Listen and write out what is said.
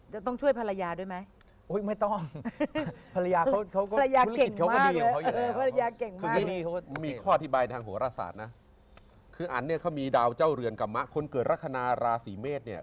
จะต้องช่วยภรรยาด้วยไหม